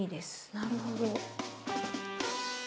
なるほど。